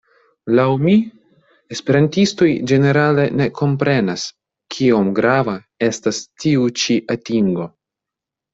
Laŭ mi esperantistoj ĝenerale ne komprenas kiom grava estas tiu ĉi atingo.